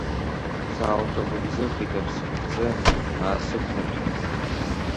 Саалҿагәыбзыӷит, аԥсԥхӡы аасықәнаҭәеит.